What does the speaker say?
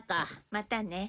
またね。